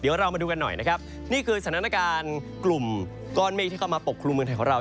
เดี๋ยวเรามาดูกันหน่อยนะครับนี่คือสถานการณ์กลุ่มก้อนเมฆที่เข้ามาปกครุมเมืองไทยของเรา